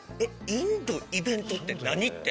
インドイベントって何？って。